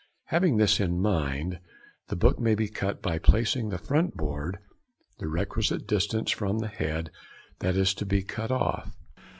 Having this in mind, the book may be cut by placing the front board the requisite distance from the head that is to be cut off.